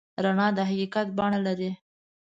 رڼا د حقیقت بڼه لري.